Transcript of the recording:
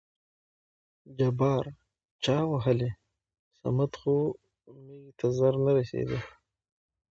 جبار: چا وهلى؟ صمد خو مېږي ته زر نه رسېده.